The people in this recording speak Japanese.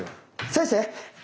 先生！